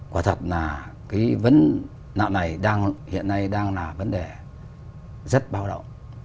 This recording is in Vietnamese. quả thật là cái vấn đạo này hiện nay đang là vấn đề rất bao động